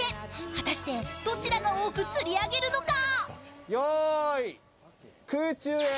果たしてどちらが多く釣り上げるのか。